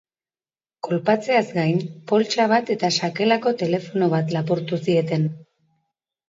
Kolpatzeaz gain, poltsa bat eta sakelako telefono bat lapurtu zieten.